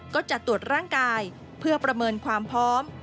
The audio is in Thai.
ก็จะตรวจร่างกายเพื่อประเมินความพร้อม